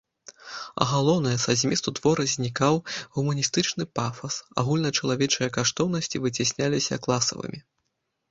А галоўнае, са зместу твора знікаў гуманістычны пафас, агульначалавечыя каштоўнасці выцясняліся класавымі.